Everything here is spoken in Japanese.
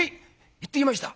行ってきました」。